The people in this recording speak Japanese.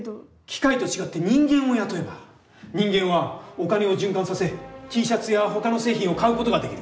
機械と違って人間を雇えば人間はおカネを循環させＴシャツやほかの製品を買うことができる。